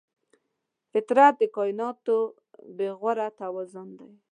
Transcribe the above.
فطرت د کایناتو بېغوره توازن دی.